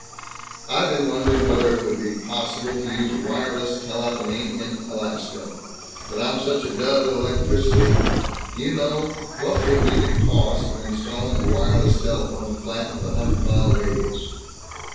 "I've been wondering whether it would be possible to use wireless telephony in Alaska. But I'm such a dub at electricity. Do you know What would be the cost of installing a wireless telephone plant with a hundred mile radius?"